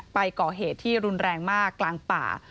ไปก่อเหตุที่รุนแรงมากกลางป่า